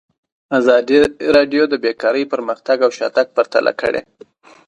ازادي راډیو د بیکاري پرمختګ او شاتګ پرتله کړی.